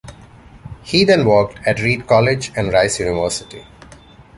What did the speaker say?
He then worked at Reed College and Rice University.